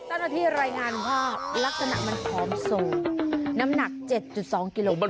เจ้าหน้าที่รายงานว่าลักษณะมันผอมสูงน้ำหนัก๗๒กิโลเมต